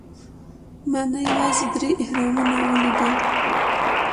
ما نه یوازې درې اهرامونه ولیدل.